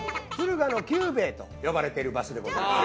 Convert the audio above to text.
敦賀の久兵衛と呼ばれてる場所でございます。